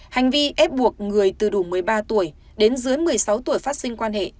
hành vi ép buộc người từ đủ một mươi ba tuổi đến dưới một mươi sáu tuổi phát sinh quan hệ